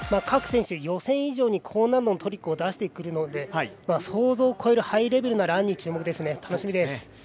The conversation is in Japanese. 各選手、予選以上に高難度のトリックを出すので想像を超えるハイレベルなランに注目です。